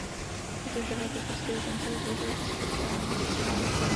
Tyto „žhavé paprsky“ dokonce tvořily i spektrální čáry.